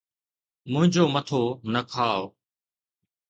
منھنجو مٿو نه کاءُ